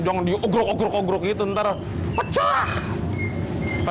jangan diugruk ugruk ugruk gitu ntar pecah